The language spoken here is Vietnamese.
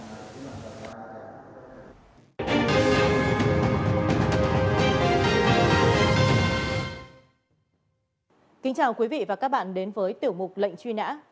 kính chào quý vị và các bạn đến với tiểu mục lệnh truy nã